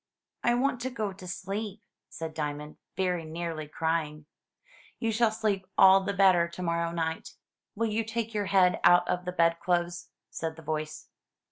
"I want to go to sleep," said Diamond, very nearly crying. "You shall sleep all the better to morrow night. Will you 426 THROUGH FAIRY HALLS take your head out of the bedclothes?'' said the voice.